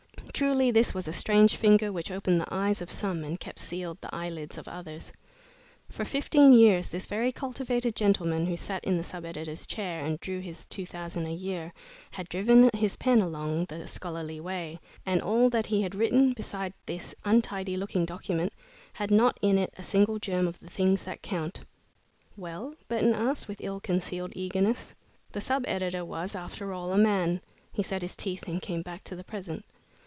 Truly this was a strange finger which opened the eyes of some and kept sealed the eyelids of others! For fifteen years this very cultivated gentleman who sat in the sub editor's chair and drew his two thousand a year, had driven his pen along the scholarly way, and all that he had written, beside this untidy looking document, had not in it a single germ of the things that count. "Well?" Burton asked, with ill concealed eagerness. The sub editor was, after all, a man. He set his teeth and came back to the present.